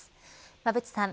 馬渕さん